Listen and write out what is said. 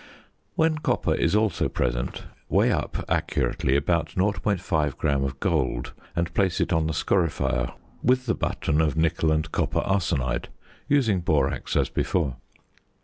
When copper is also present, weigh up accurately about 0.5 gram of gold, and place it on the scorifier with the button of nickel and copper arsenide, using borax as before.